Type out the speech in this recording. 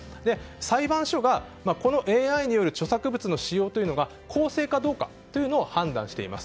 裁判所がＡＩによる著作物の使用が公正かどうかというのを判断しています。